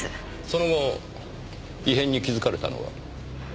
その後異変に気づかれたのは？